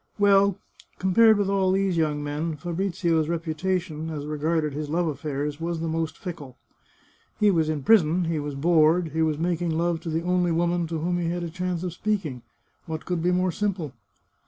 Well, compared with all these young men, Fabrizio's reputation, as regarded his love affairs, was the most fickle. He was in prison, he was bored, he was making love to the only woman to whom he had a chance of speaking. What could be more simple